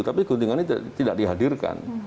tapi guntingan ini tidak dihadirkan